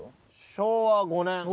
「昭和五年」